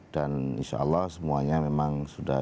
dan insya allah semuanya memang sudah